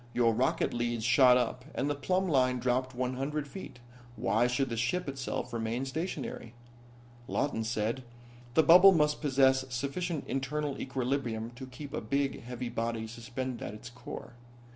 Your rocket leads shot up, and the plumb line dropped one hundred feet. Why should the ship itself remain stationary?" Lawton said: "The bubble must possess sufficient internal equilibrium to keep a big, heavy body suspended at its core.